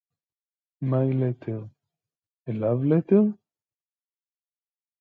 My letter - a love-letter?